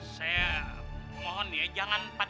saya mohon ya jangan pada pada